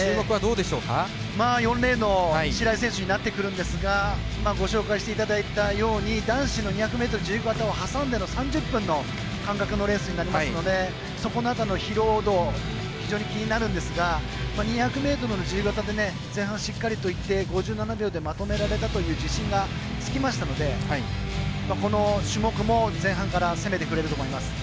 ４レーンの白井選手になってくるんですがご紹介していただいたように男子２００ｍ自由形を挟んでの３０分の間隔でのレースになりますのでそこのあとの疲労度が非常に気になるんですが前半しっかりといって５７秒でまとめられたという自信がつきましたのでこの種目も前半から攻めてくれると思います。